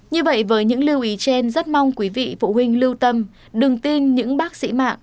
như vậy với những lưu ý trên rất mong quý vị phụ huynh lưu tâm đừng tin những bác sĩ mạng